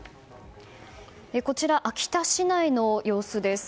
こちら、秋田市内の様子です。